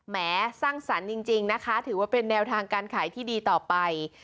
แม้สร้างสรรค์จริงนะคะถือว่าเป็นแนวทางการขายที่ดีต่อไป